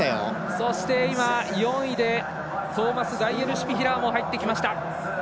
そして今４位でトーマス・ガイエルシュピヒラー入ってきました。